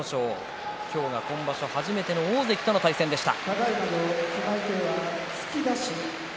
今日は今場所初めての大関との対戦でした。